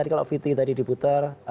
kalau viti tadi diputer